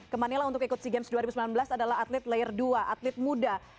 ke manila untuk ikut sea games dua ribu sembilan belas adalah atlet layer dua atlet muda